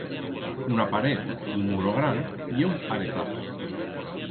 Una paret u muro gran ye un paretazo.